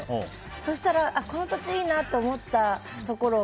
そうしたら、この土地いいな！って思ったところを